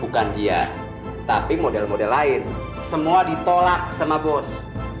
bukan dia tapi model model lain semua ditolak sama bos